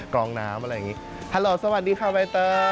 กองน้ำอะไรอย่างนี้ฮัลโหลสวัสดีค่ะใบเตย